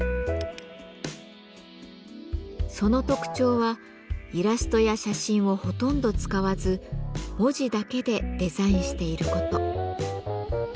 その特徴はイラストや写真をほとんど使わず文字だけでデザインしている事。